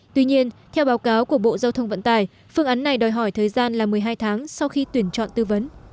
tuy nhiên theo báo cáo của bộ giao thông vận tải phương án này đòi hỏi thời gian là một mươi hai tháng sau khi tuyển chọn tư vấn